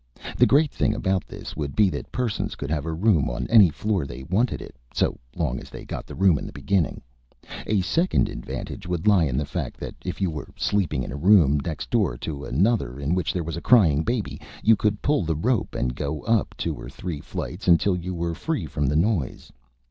The great thing about this would be that persons could have a room on any floor they wanted it, so long as they got the room in the beginning. A second advantage would lie in the fact, that if you were sleeping in a room next door to another in which there was a crying baby, you could pull the rope and go up two or three flights until you were free from the noise.